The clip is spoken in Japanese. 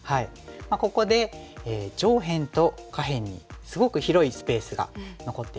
ここで上辺と下辺にすごく広いスペースが残っていますよね。